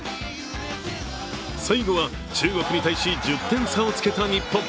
最後は、中国に対し１０点差をつけた日本。